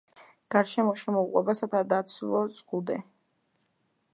გარშემო შემოუყვება სათავდაცვო ზღუდე.